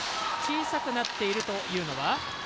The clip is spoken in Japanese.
小さくなっているというのは？